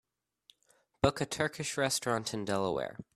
book a turkish restaurant in Delaware